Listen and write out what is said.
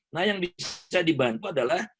nah yang bisa dibantu adalah